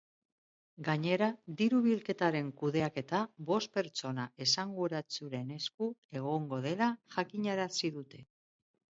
Gainera, diru-bilketaren kudeaketa bost pertsona esanguratsuren esku egongo dela jakinarazi dute.